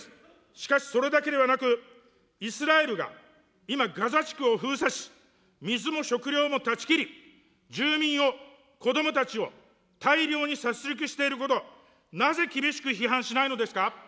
しかし、それだけではなく、イスラエルが今、ガザ地区を封鎖し、水も食料も断ち切り、住民を、子どもたちを大量に殺りくしていること、なぜ厳しく批判しないのですか。